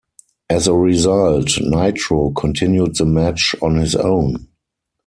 As a result, Nitro continued the match on his own.